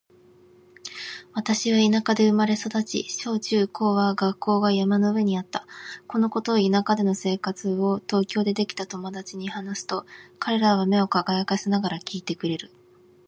私は田舎で生まれ育ち、小・中・高は学校が山の上にあった。このことや田舎での生活を東京でできた友達に話すと、彼らは目を輝かせながら聞いてくれる。